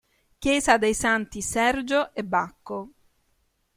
Chiesa dei Santi Sergio e Bacco